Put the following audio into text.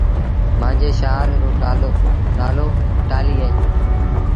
مآݩجي شآهر رو نآلو ٽآلهيٚ اهي